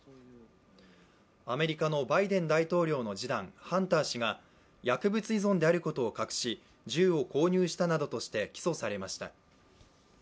アメリカのバイデン大統領の次男ハンター氏が、薬物依存であることを隠し、銃を購入したなどとして起訴されました。